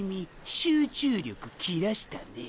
集中力きらしたね。